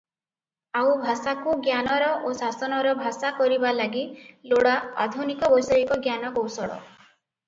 ଆଉ ଭାଷାକୁ ଜ୍ଞାନର ଓ ଶାସନର ଭାଷା କରିବା ଲାଗି ଲୋଡ଼ା ଆଧୁନିକ ବୈଷୟିକ ଜ୍ଞାନକୌଶଳ ।